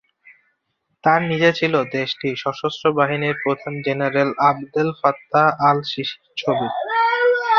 তার নিচে ছিল দেশটির সশস্ত্র বাহিনীর প্রধান জেনারেল আবদেল ফাত্তাহ আল-সিসির ছবি।